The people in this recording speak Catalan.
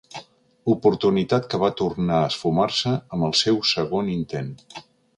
Oportunitat que va tornar a esfumar-se amb el seu segon intent.